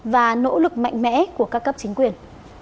và nỗ lực mạnh mẽ của các cấp chính quyền